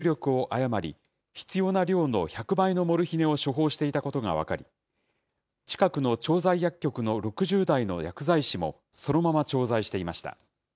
警視庁の捜査で、クリニックの４０代の医師が、電子カルテの入力を誤り、必要な量の１００倍のモルヒネを処方していたことが分かり、近くの調剤薬局の６０代の薬剤師もそのまま調剤していました。